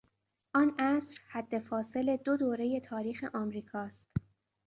آن عصر حدفاصل دو دورهی تاریخ امریکا است.